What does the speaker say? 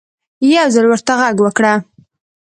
يو ځل ورته غږ وکړه